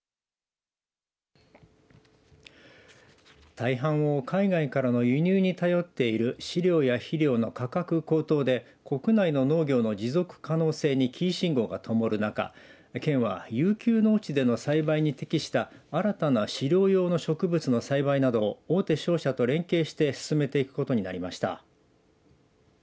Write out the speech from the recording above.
大半を海外からの輸入に頼っている飼料や肥料の価格高騰で国内の農業の持続可能性に黄信号がともる中県は遊休農地での栽培に適した新たな飼料用の植物の栽培などを大手商社と連携して進めていくことになりました。